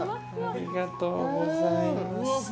ありがとうございます。